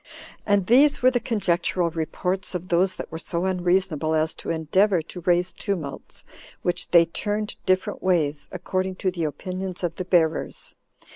And these were the conjectural reports of those that were so unreasonable as to endeavor to raise tumults, which they turned different ways, according to the opinions of the bearers.